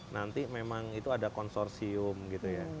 nanti memang itu ada konsorsium gitu ya